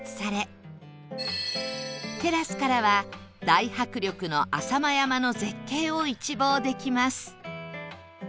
テラスからは大迫力の浅間山の絶景を一望できます